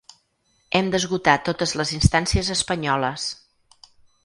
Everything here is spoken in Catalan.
Hem d’esgotar totes les instàncies espanyoles.